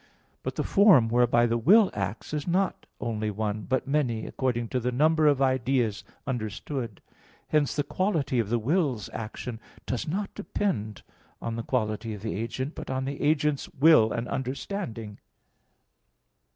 But the form whereby the will acts is not only one, but many, according to the number of ideas understood. Hence the quality of the will's action does not depend on the quality of the agent, but on the agent's will and understanding.